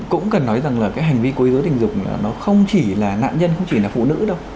cũng cần nói rằng là hành vi quấy dối tình dục không chỉ là nạn nhân không chỉ là phụ nữ đâu